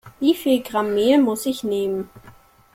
Wie viel Gramm Mehl muss ich nehmen?